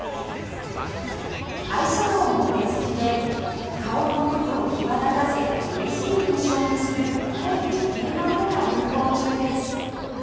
アイシャドーも売れ筋で顔の彫りを際立たせりりしい印象にする濃い茶系の色が流行中です